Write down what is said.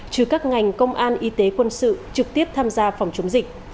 trừ các ngành công an y tế quân sự trực tiếp tham gia phòng chống dịch